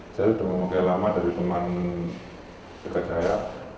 saya sudah memakai lama dari teman dekat saya